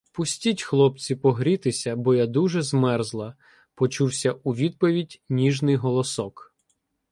— Пустіть, хлопці, погрітися, бо я дуже змерзла, — почувся у відповідь ніжний голосок.